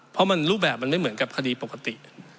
เพราะรูปแบบมันไม่เหมือนกับคดีปกติ